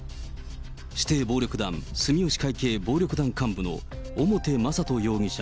指定暴力団住吉会系暴力団幹部の表雅人容疑者